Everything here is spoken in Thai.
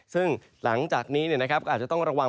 ซึ่งหลังจากนี้เนี่ยนะครับก็อาจจะต้องระวัง